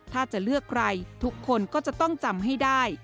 ถ้าจะเลือกใครทุกคนก็จะต้องจำให้ได้